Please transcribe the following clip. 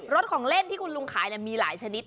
ของเล่นที่คุณลุงขายมีหลายชนิด